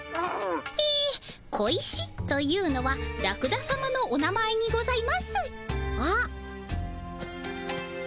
え小石というのはラクダさまのお名前にございますあっ！